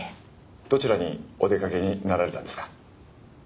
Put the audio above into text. どちらにお出かけになられたんですか？